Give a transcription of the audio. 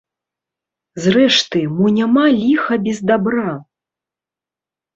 Зрэшты, мо няма ліха без дабра?